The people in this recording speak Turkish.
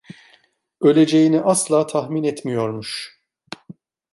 Öleceğini asla tahmin etmiyormuş.